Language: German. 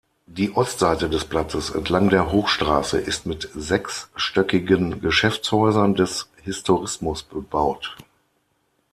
Die Ostseite des Platzes, entlang der "Hochstraße", ist mit sechsstöckigen Geschäftshäusern des Historismus bebaut.